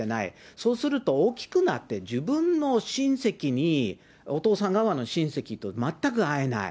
そうすると、大きくなって自分の親戚に、お父さん側の親戚と全く会えない。